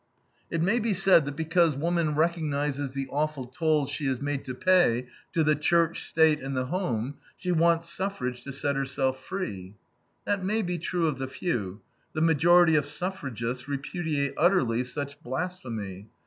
It may be said that because woman recognizes the awful toll she is made to pay to the Church, State, and the home, she wants suffrage to set herself free. That may be true of the few; the majority of suffragists repudiate utterly such blasphemy.